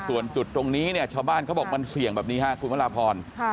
ส่วนจุดตรงนี้เนี่ยชาวบ้านเขาบอกมันเสี่ยงแบบนี้ครับคุณพระราพร